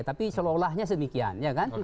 tapi celolahnya semikian